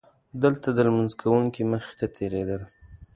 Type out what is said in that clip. دلته د لمونځ کوونکي مخې ته تېرېدل.